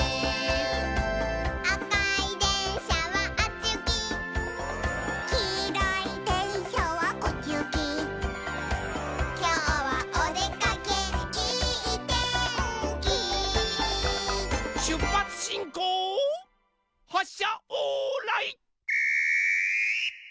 「あかいでんしゃはあっちゆき」「きいろいでんしゃはこっちゆき」「きょうはおでかけいいてんき」しゅっぱつしんこうはっしゃオーライ。